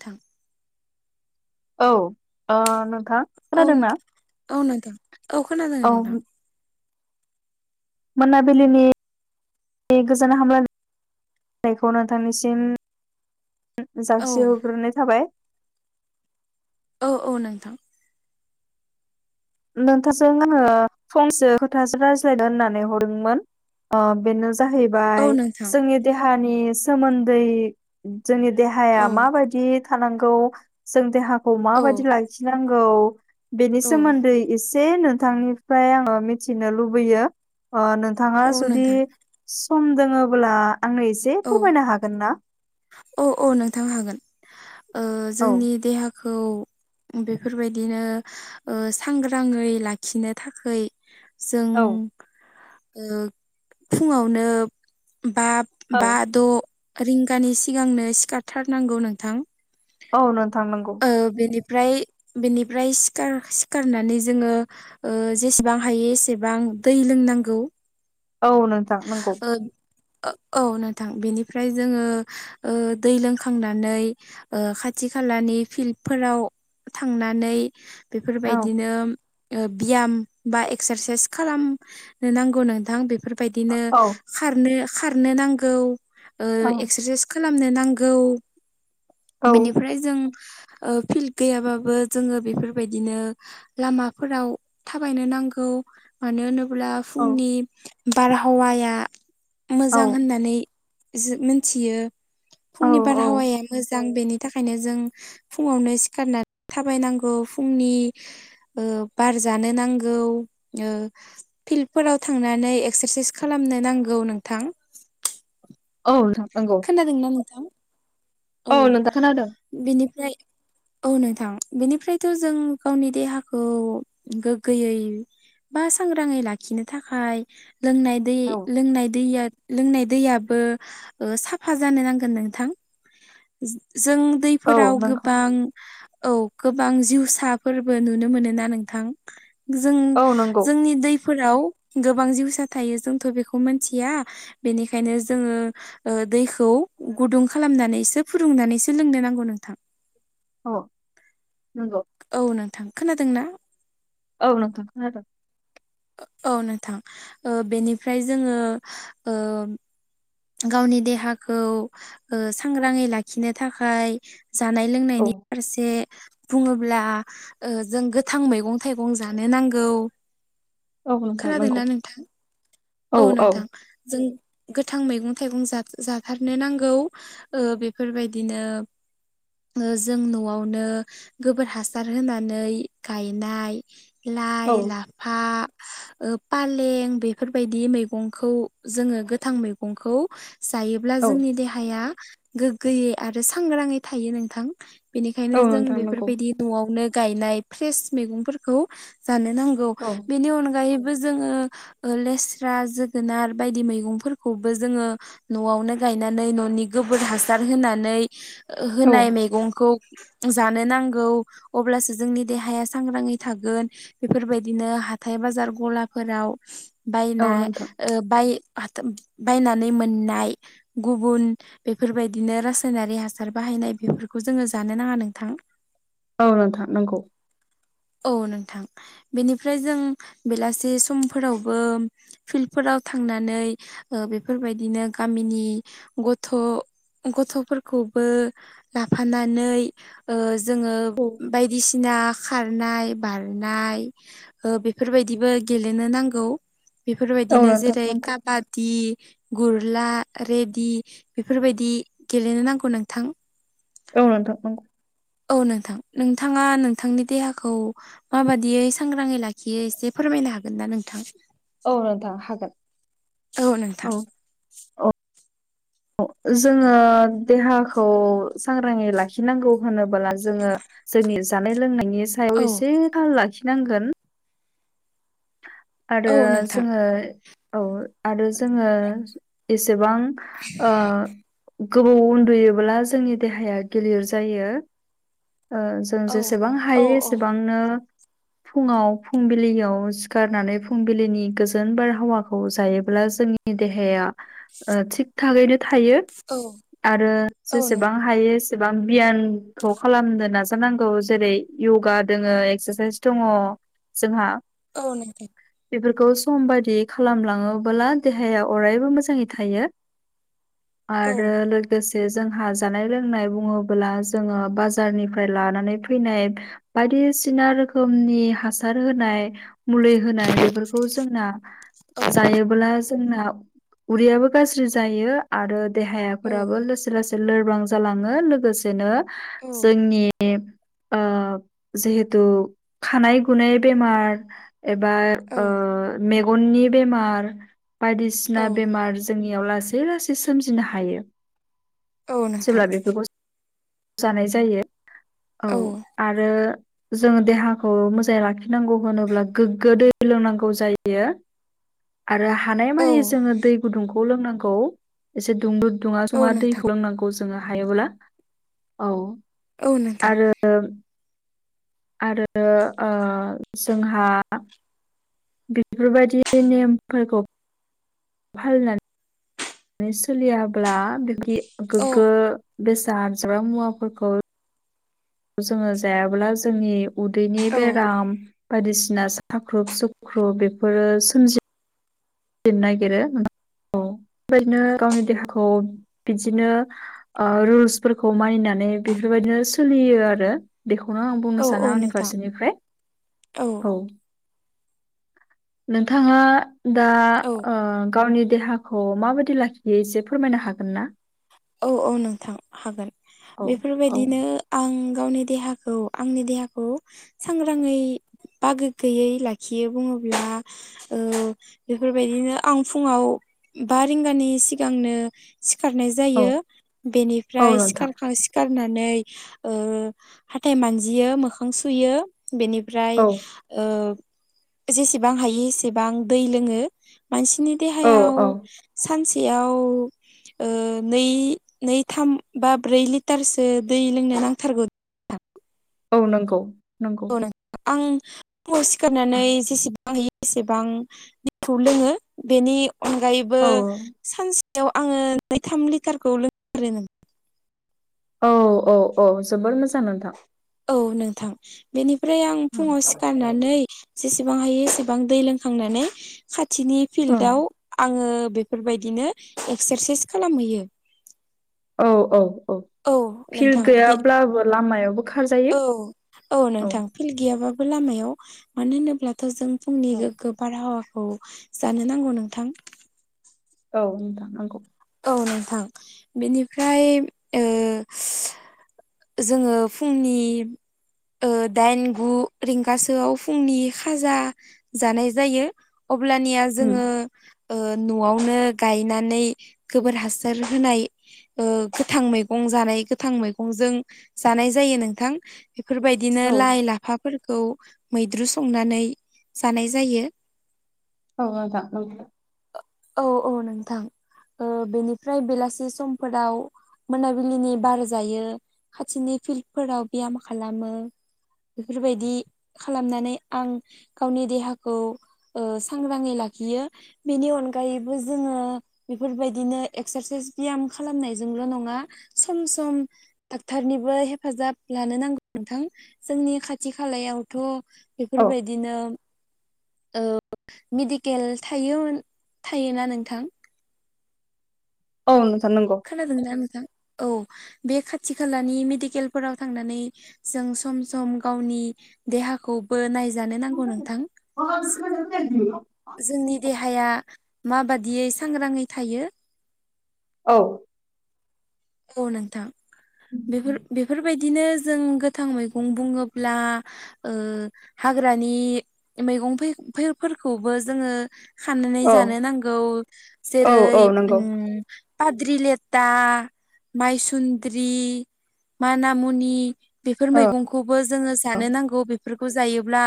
थां औ अ नोंथां औ खोनादोंना औ नोंथां औ खोनादों नोंथां। मोनाबिलिनि गोजोन हामलायनायखौ नोंथांनिसिम औ जासि हरग्रोनाय थाबाय। औ औ नोंथां नोंथांजों आङो फंसे खोथासो रायज्लायनो होननानै हरदोंमोन ओ बेनो औ जाहैबाय नोंथां जोंनि देहानि सोमोन्दै जोंनि देहाया औ माबादि थानांगौ जों देहाखौ औ माबादि लाखिनां गौ बेनि औ सोमोन्दै बे नोंथांनिफ्राय आङो मिथिनो लुबैयो ओ नोंथाङा औ जुदि नोंथां सम दोङोब्ला आंनो एसे औ फोरमायनो हागोन ना? औ [inaudible] बेफोरबायदिनो सांग्राङै लाखिनो थाखाय जों औ फुङावनो बा औ बा द' रिंगानि सिगांनो सिखारथारनांगौ नोंथां। औ नोंथां नंगौ। ओ बेनिफ्राय बेनिफ्राय सिखार-सिखारनानै जोङो ओ जेसेबां हायो एसेबां दै लोंनांगौ। औ नोंथां नंगौ औ नोंथां बेनिफ्राय जोङो ओ दै लोंखांनानै ओ खाथि खालानि फिल्डफोराव थांनानै औ बेफोरबायदिनो ब्याम बा एक्सारसाइस खालामनो नांगौ नोंथां बेफोरबायदिनो खारनो खारनो नांगौ औ एक्सारसाइस खालामनो नांगौ औ बेनिफ्राय जों फिल्ड गैयाबाबो जोङो बेफोरबायदिनो लामाफोराव थाबायनो नांगौ मानो होनोब्ला अब्ला औ फुंनि बारहावाया औ मोजां होननानै मिथियो औ फुंनि औ बारहावाया मोजां बेनि थाखायनो जों फुङावनो सिखारनानै थाबायनांगौ फुंनि ओ बार जानो नांगौ ओ फिल्डफोराव थांनानै एक्सारसाइस खालामनो नांगौ नोंथां। औ नोंथां नंगौ। खोदोंना नोंथां? औ नोंथां खोनादों। बिनिफ्राय औ नोंथां बेनिफ्रायथ' जों गावनि देहाखौ गोग्गोयै बा सांग्राङै लाखिनो थाखाय लोंनाय दै औ लोंनाय दैया लोंनाय दैयाबो साफा जानो नांगोन नोंथां। जों औ दैफोराव नोंखौ गोबां औ गोबां जिउसाफोरबो नुनो मोनोना नोंथां? जों औ नंगौ जोंनि दैफोराव गोबां जिउसा थायो जोंथ' बेखौ मिथिया बेनिखायनो जोङो दैखौ गुदुं खालामनानै सो फुदुंनानैसो लोंनो नांगौ नोंथां। अ नंगौ। औ नोंथां खोनादों ना? औ नोंथां खोनादों। औ नोंथां बेनिफ्राय ओ जोङो ओ गावनि देहाखौ ओ सांग्राङै लाखिनो थाखाय जानाय औ लोंनायनि फारसे बुङोब्ला जों गोथां मैगं थाइगं जानो नांगौ औ नोंथां नंगौ खोनादोंना नोंथां औ नोंथां जों गोथां मैगं थाइगं जाथारनो नांगौ ओ बेफोरबायदिनो ओ जों न'आवनो गोबोर हासार होनानै गायनाय लाइ औ लाफा ओ फालें बेफोर बेबायदि मैगंखौ जोङो गोथां मैगंखौ जायोब्ला औ जोंनि देहा हाया गोग्गोयै आरो सांग्राङै थायो नोंथां औ बेनिखायनो जों नोंथां नंगौ बेफोरबायदि न'आवनो गायनाय फ्रेस मैगंफोरखौ जानो नां औ बेनि अनैबो जोंङो लेस सिरा जोगोनार बायदि मैगंफोरखौबो जोङो न'आवनो गायनानै न'नि गोबोर हासार होनानै औ होनाय मैगंखौ जानो नांगौ अब्लासो जोंनि देहाया सांग्राङै थागोन। बेफोरबायदिनो हाथाइ बाजार गलाफोराव औ बायना नोंथां ओ बाय बायनानै मोननाय गुबुन बेफोरबायदिनो रासायनारि हासार बाहायनाय बेफोरखौ जोङो जानो नाङा नोंथां। औ नोंथां नंगौ। औ नोंथां बेनिफ्राय जों बेलासि समफोरावबो फिल्डफोराव थांनानै बेफोरबायदिनो गामिनि गथ' गथ'फोरखौबो लाफानानै जोङो औ बायदिसिना खारनाय बारनाय बेफोरबायदिबो गेलेनो नांगौ। औ बेफोरबायदिनो नोंथां जेरै नंगौ काबादि गुरला रेडि बेफोरबायदि गेलेनो नांगौ नोंथां। औ नोंथां नंगौ। औ नोंथां नोंथाङा नोंथांनि देहाखौ माबादियै सांग्राङै लाखियो एसे फोरमायनो हागोन ना नोंथां। औ नोंथां हागोन औ औ [inaudible] जोङो देहाखौ सांग्राङै लाखिनांगौ होनबोला जोङो। जोंनि जानाय लोंनायनि औ सायाव एसे थाल लाखिनांगोन। आरो औ नोंथां जोङो औ आरो जोङो। एसेबां ओ। गोबाव उन्दुयोब्ला जोंनि देहाया गिलिर जायो। जों औ जेसेबां औ हायो औ एसेबांनो फुङाव फुंबिलियाव सिखार। होननानै फुंबिलिनि गोजोन बारहावाखौ जायोब्ला जोंनि देहाया। ओ थिग थागैनो थायो औ आरो औ नों जेसेबां हायोे बां बियानखौ खालामनो नाजानांगौ जेरै य'गा दङो एक्सारसाइस दङ। जोंहा। औ नोंगो। बेफोरखौ सम बायदि खालामलाङोबोला देहाया अरायबो मोजाङै थायो। औ आरो लोग गोसे जोंहा जानाय लोंनाय बुङोबोला जोङो बाजारनिफ्राय लानानै फैनाय। बायदिसिना रोखोमनि हासार होनाय मुलै। होना बेफोरखौ जोंना औ जायोबोला। जोंना उदैयाबो गाज्रि जायो आरो देहायाफोराबो लोस लासै लोरबां जालाङो लोगोसेनो औ जोंनि। ओ जिहेथु खानाय गुनाय बेमार। एबा औ ओ मेगननि बेमार बायदिसिना औ बेमार। जोंनियाव लासै लासै सोमजिनो हायो। औ नोंथां। जेब्ला बेफोरखौ जानाय जायो औ आरो। जोङो देहाखौ मोजाङै लाखिनांगौ होनोब्ला गोग्गो दै लोंनांगौ जायो। [inaudible] आरो औ हानायमानि जोङो दै गुदुंखौ लोंनांगौ एसे दुंबुद। दुङा- औ सुङा नोंथां दैखौ लोंनांगौ जोङो हायोब्ला औ औ नोंथां आरो। आरो ओ जोंहा। बेफोरबायदि नेमफोरखौ। भालनान सोलियाब्ला बिदि औ गोग्गो बेसाद जाग्रा मुवाफोरखौ। जोङो जायाबोला जोंनि उदैनि औ बेराम बायदिसिना सा थाख्रुब सुख्रुब बेफोरो सोमजि। जनो नागिरो औ बेबायदिनो गावनि देहाखौ बिदिनो। ओ रुल्सफोरखौ मानिनानै बेफोरबायदिनो सोलियो आरो। बेखौनो आं औ बुंनो सानो औ आंनि नोंथां फारसेनिफ्राय औ। नोंथाङा दा औ गावनि ओ देहाखौ खौ माबायदि लाखियो एसे फोरमायनो हागोन ना? औ औ नोंथां हागोन औ औ बेफोरबायदिनो आं गावनि। देहाखौ आंनि देहाखौ। सांग्राङै बागो गैयै लाखियो बुङोब्ला ओ बेफोरबायदिनो आं फुङाव बा रिंगानि सिगांनो सिखारनाय औ जायो औ बेनिफ्राय नोंथां सिखारखां सि सिखारारनानै ओ हाथाय मानजियो मोखां सुयो। बेनिफ्राय औ ओ जेसेबां हायो एसेबां दै लोङो मानसिनि औ देहायाव औ सानसेयाव ओ नै नै थाम बा ब्रै लिटारसो दै लोंनो नांथारगौ। औ नंगौ। नंगौ औ न आं फुङाव सिखारनानै जेसेबां एसेबां दैखौ लोङो बेनि अनगायैबो औ सानसे बेयाव आङो नैथाम लिटारखौ लोंोरो नामा औ औ औ जोबोर मोजां नोंथां औ नोंथां बेनिफ्राय आं औ फुङाव सिखारनानै जेसेबां हायो एसेबां दै लोंखांनानै खाथिनि फिल्डाव आङो बेफोरबायदिनो एक्सारसाइस खालामहैयो औ औ औ फिल् नोंथां बे गैयाब्लाबो लामायाव औ औ नोंथां फिल्ड गैयाबाबो लामायाव मानो होनोब्लाथ' जों फुंनि औ बारहावाखौ जानो नांगौ नोंथां औ होनथां नांगौ औ नोंथां बेनिफ्राय जोङो फुंनि दाइन गु रिंगासोआव फुंनि खाजा जानाय जायो अब्लानिया उम जोङो न'आवनो गायनानै गोबोर हासार होनाय गोथां मैगं जानाय गोथां मैगंजों जानाय जायो नोंथां बेफोरबायदि बिदिनो औ लाइ लाफाफोरखौ मैद्रु संनानै जानाय जायो। औ आ नो औ औ नोंथां बेनिफ्राय बेलासि समफोराव मोनाबिलिनि बार जायो खाथिनि फिल्डफोराव बेयाम खालामो बेफोरबायदि खालामनानै आं गावनि देहाखौ सांग्राङै लाखियो बेनि अनगायैबो जोङो बेफोरबायदिनो एक्सारसाइस बियाम खालामनायजोंल' नङा सम सम डाक्टरनिबो हेफाजाब लानो नांगौ नोंथां जोंनि खाथि खालायावथ' औ बेफोरबायदिनो मेडिकेल थायोमोन थायोना नोंथां। औ नोंथां नंगौ। खोनादोंनाा नोंथां औ बे खाथि खालानि मेडिकेलफोराव थांनानै जों सम सम गावनि देहाखौबो नायजानो नांगौ नोंथां। औ जोंनि देहाया माबादियै सांग्राङै थायो। औ। औ नोंथां बेफोर बेफोरबायदि दिनो जों गोथां मैगं बुङोब्ला ओ हाग्रानि [unintelligible] मैगंफोरखौबो जोङो खानानै औ जानो नांगौ औ जेरै औ नंगौ उम फाद्रिलेता। माइसुन्द्रि मानामनि बेफोर औ मैगंखौबो जोङो जानो नांगौ बेफोरखौ जायोब्ला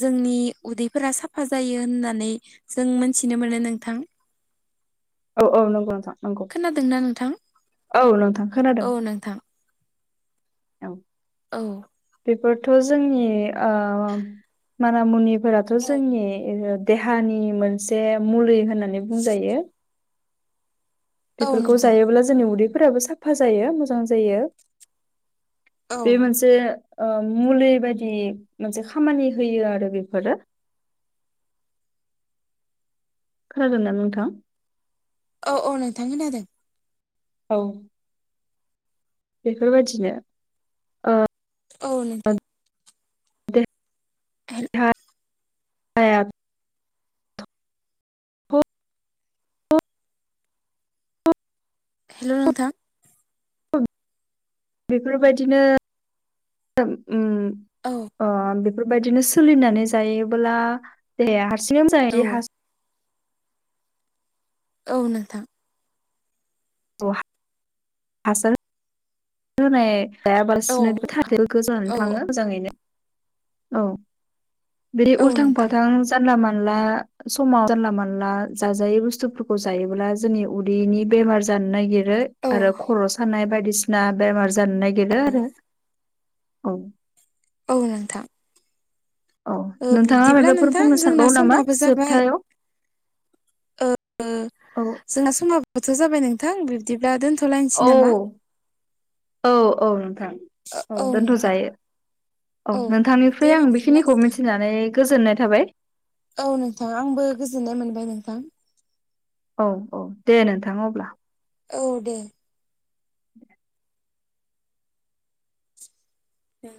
जोंनि उदैफोरा साफा जायो होननानै जों मोनथिनो मोनो नोंथां। औ औ नंगौ नोंथां नंगौ खोनादोंना नोंथां औ नोंथां औ खोनादों नोंथां औ औ। बेफोरथ' जोंनि ओ माना मुनिफोराथ' औ जोंनि देहानि मोनसे मुलि होननानै बुंजायो। औ बेफोरखौ नोंथां जायोब्ला जोंनि उदैफोराबो साफा जायो मोजां जायो। औ बे मोनसे ओ मुलि बायदि मोनसे खामानि होयो आरो बेफोरो। खोनादों ना नोंथां। औ औ नोंथां खोनादों। औ बेफोरबायदिनो औ नोंथां। [unintelligible] [unintelligible] हेल' नोंथां। बेफोरबायदिनो उम औ। अ बेफोरबायदिनो सोलिनानै जायोबोब्ला दे हारसिङनो औ जायो। औ नोंथां। [unintelligible] हासार होनाय औ जायाबालासिनो [unintelligible] औ थाङो। मोजाङैनो औ बे औ उलथां नोंथां फालथां। जानला मानला समाव जानला मानला जाजायै बुस्थुफोरखौ जायोब्ला जोंनि उदैनि बेमार जानो नागिर रो औ आरो खर' सानाय बायदिसिना बेमार जानो नागिरो आरो औ। औ नोंथां। औ नोंथाङा बिब्दिब्ला मायबाफोर नोंथां बुंनो जोंना सानबावो नामा समाबो जोबथायाव ओ औ जोंहा समाबोथ' जाबाय नोंथां बिब्दिब्ला दोन्थ'लायनोसै औ नामा औ औ नोंथां औ दोनथ' जायो। औ दे नोंथांनिफ्राय आं बिब्दिब्ला बेखिनिखौ नोंथां मिथिनानै गोजोननाय थाबाय। औ नोंथां आंबो गोजोननाय मोनबाय नोंथां। औ औ दे नोंथां अब्ला। औ दे। नों